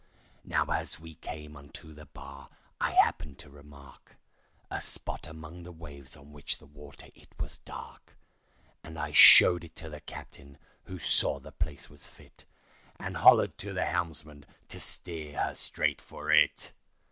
Now as we came unto the bar I happened to remark A spot among the waves on which the water it was dark; And I showed it to the captain, who saw the place was fit, And hollered to the helmsman to steer her straight for it.